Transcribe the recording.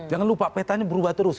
jangan lupa petanya berubah terus